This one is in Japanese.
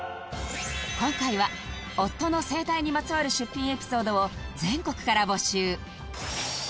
今回は夫の生態にまつわる出品エピソードを全国から募集